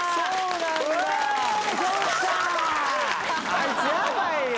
あいつやばいよ。